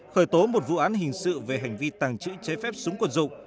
khởi tố một vụ án hình sự về hành vi tàng trữ cháy phép súng quần dục